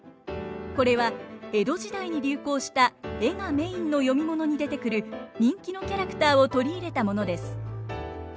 これは江戸時代に流行した絵がメインの読み物に出てくる人気のキャラクターを取り入れたものです。